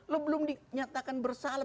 lo belum dinyatakan bersalah